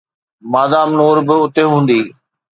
Madam Noor به اتي هوندي.